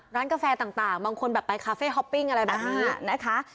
กาแฟต่างบางคนแบบไปคาเฟ่ฮอปปิ้งอะไรแบบนี้นะคะ